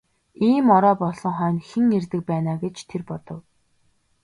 Ийм орой болсон хойно хэн ирдэг байна аа гэж тэр бодов.